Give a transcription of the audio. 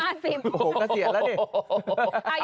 โอ้โฮข้าเสียแล้วนี่